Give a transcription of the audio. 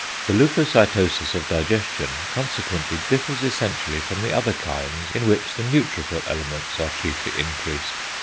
The leucocytosis of digestion consequently differs essentially from the other kinds, in which the neutrophil elements are chiefly increased.